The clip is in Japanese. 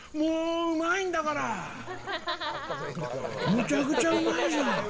むちゃくちゃうまいじゃん。